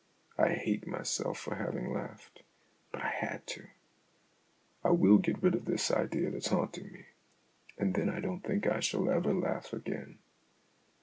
I hate myself for having laughed, but I had to. I will get rid of THE AUTOBIOGRAPHY OF AN IDEA 53 this idea that's haunting me, and then I don't think I shall ever laugh again."